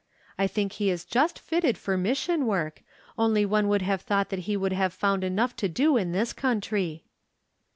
I think he is just fitted for mission work, only one would have thought that he would have found enough to do in this country."